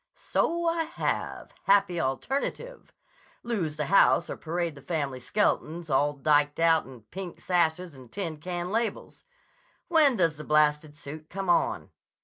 "So I have. Happy alternative! Lose the house or parade the family skeletons all diked out in pink sashes and tin can labels. When does the blasted suit come on?"